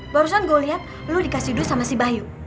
barusan gue liat lu dikasih duit sama sebayu